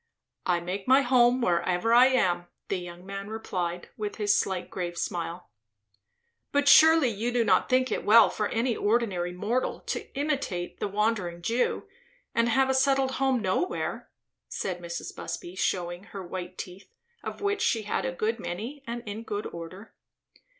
"I make my home wherever I am," the young man replied, with his slight grave smile. "But surely you do not think it well for any ordinary mortal to imitate the Wandering Jew, and have a settled home nowhere?" said Mrs. Busby, shewing her white teeth, of which she had a good many and in good order.